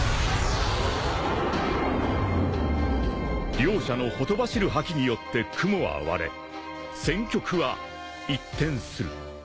［両者のほとばしる覇気によって雲は割れ戦局は一転する］